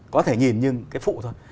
có thể nhìn nhưng cái phụ thôi